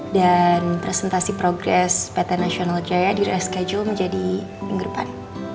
dan presentasi progres pt nasional jaya di reskajul menjadi minggu depan